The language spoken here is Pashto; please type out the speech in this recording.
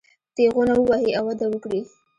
تېغونه ووهي او وده وکړي.